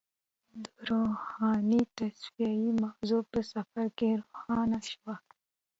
د روحاني تصفیې موضوع په سفر کې روښانه شوه.